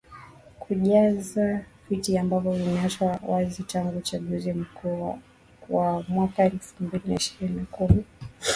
kujaza viti ambavyo vimeachwa wazi tangu uchaguzi mkuu wa mwaka elfu mbili na ishirini na kumi na nane